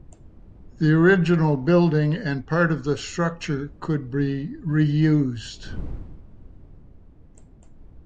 The original building and part of the structure could be reused.